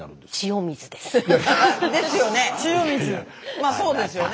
まあそうですよね。